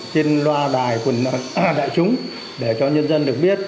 trên loa đài của đại chúng để cho nhân dân được biết